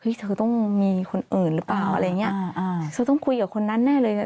เฮ้ยเธอต้องมีคนอื่นรึเปล่าแล้วเงี้ยเธอต้องคุยกับคนนั้นแน่เลย